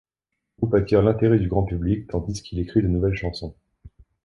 Le groupe attire l'intérêt du grand public tandis qu'il écrit de nouvelles chansons.